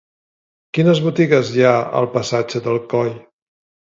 Quines botigues hi ha al passatge de Coll?